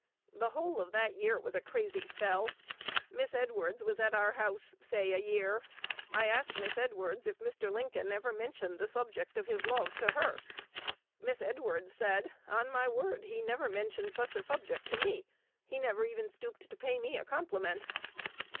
The whole of the year was a crazy spell. Miss Edwards was at our house, say a year. I asked Miss Edwards if Mr. Lincoln ever mentioned the subject of his love to her. Miss Edwards said, 'On my word, he never mentioned such a subject to me: he never even stooped to pay me a compliment.'"